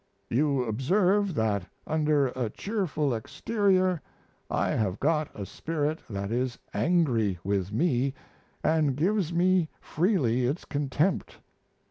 You observe that under a cheerful exterior I have got a spirit that is angry with me and gives me freely its contempt.